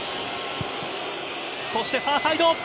そして、ファーサイド。